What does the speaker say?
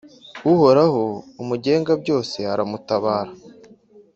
Uhoraho Umugengabyose aramutabara,